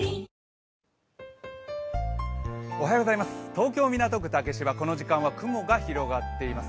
東京・港区竹芝、この時間は雲が広がっています。